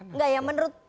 enggak apa apa silahkan aja